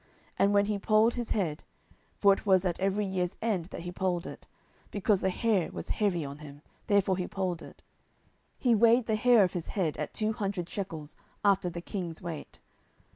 10:014:026 And when he polled his head, (for it was at every year's end that he polled it: because the hair was heavy on him, therefore he polled it:) he weighed the hair of his head at two hundred shekels after the king's weight.